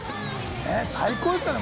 最高ですよね。